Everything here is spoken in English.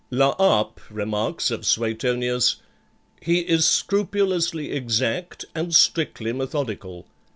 La Harpe remarks of Suetonius, "He is scrupulously exact, and strictly methodical.